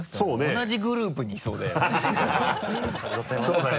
同じグループにいそうだよね。